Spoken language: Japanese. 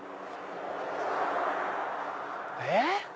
えっ⁉